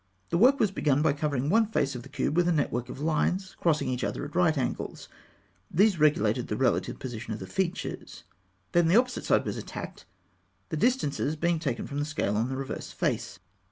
The work was begun by covering one face of a cube with a network of lines crossing each other at right angles; these regulated the relative position of the features. Then the opposite side was attacked, the distances being taken from the scale on the reverse face.